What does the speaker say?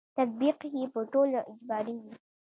تطبیق یې په ټولو اجباري وي.